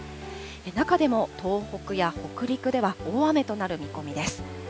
中でも東北や北陸では大雨となる見込みです。